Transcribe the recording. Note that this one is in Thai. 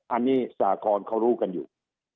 อันนี้สากรเขารู้กันอยู่